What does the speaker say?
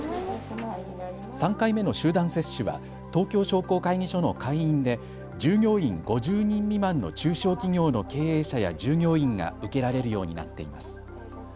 ３回目の集団接種は東京商工会議所の会員で従業員５０人未満の中小企業の経営者や従業員が受けられるようになっています。